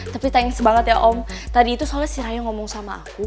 tapi thanks banget ya om tadi itu soalnya si raya ngomong sama aku